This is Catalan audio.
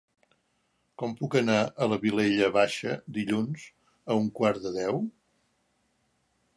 Com puc anar a la Vilella Baixa dilluns a un quart de deu?